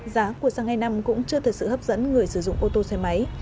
giá của xăng e năm cũng chưa thật sự hấp dẫn người sử dụng ô tô xe máy